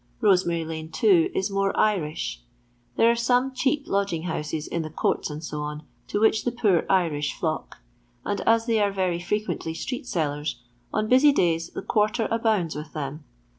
Rosemary lane, too, is more Irish. There are some cheap lodging houses in the courts, &c., to which the poor Irish flock ; and as they are very frequently st^ee^sel]er8, on busy days the quarter abounds with them.